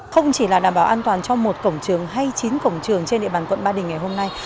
không chỉ là đảm bảo an toàn cho một cổng trường hay chín cổng trường trên địa bàn quận ba đình ngày hôm nay